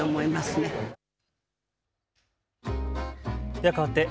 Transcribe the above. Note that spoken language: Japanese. ではかわって＃